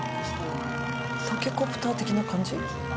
タケコプター的な感じ？